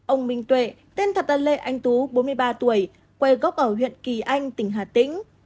ông minh tuệ tên thật là lê anh tú bốn mươi ba tuổi quê gốc ở huyện kỳ anh tỉnh hà tĩnh